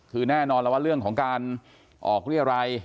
คือแน่นอนแล้วว่าเรื่องของการออกเรียรัย